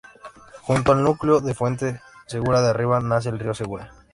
Junto al núcleo de Fuente Segura de Arriba nace el río Segura.